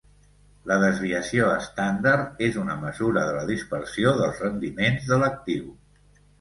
La desviació estàndard és una mesura de la dispersió dels rendiments de l'actiu.